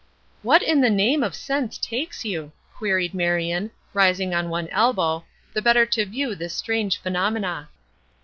"What in the name of sense takes you?" queried Marion, rising on one elbow, the better to view this strange phenomena.